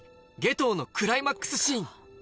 油のクライマックスシーン